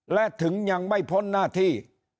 และถึงยังไม่พ้นหน้าที่